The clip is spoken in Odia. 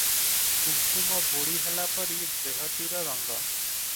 କୁଙ୍କୁମ ବୋଳି ହେଲା ପରି ଦେହଟିର ରଙ୍ଗ ।